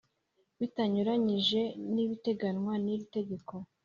bitanyuranyije n’ibiteganywa n’iri tegeko